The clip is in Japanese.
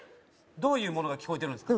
どういうものが聞こえてるんすか